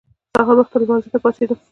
سهار وخته لمانځه ته پاڅېدم.